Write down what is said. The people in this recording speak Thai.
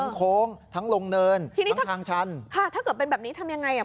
โค้งทั้งลงเนินที่นี่ทั้งทางชันค่ะถ้าเกิดเป็นแบบนี้ทำยังไงอ่ะ